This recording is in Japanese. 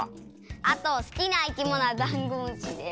あとすきないきものはダンゴムシです。